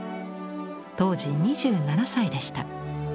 当時２７歳でした。